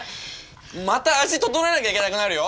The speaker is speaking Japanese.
また味調えなきゃいけなくなるよ！